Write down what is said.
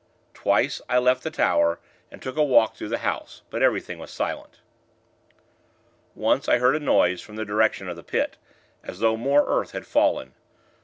Twice, I left the tower, and took a walk through the house; but everything was silent. Once, I heard a noise, from the direction of the Pit, as though more earth had fallen.